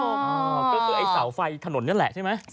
ก็คือไอ้เสาไฟถนนนี่แหละใช่ไหม